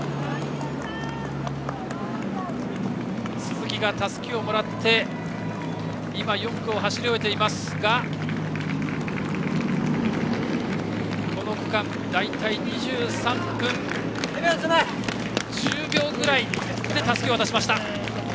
鈴木がたすきをもらって４区を走り終えていますがこの区間大体２３分１０秒ぐらいでたすきを渡しました。